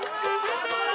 ・頑張れ！